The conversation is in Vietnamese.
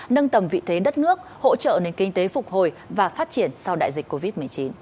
nâng tầm vị thế đất nước hỗ trợ nền kinh tế phục hồi và phát triển sau đại dịch covid một mươi chín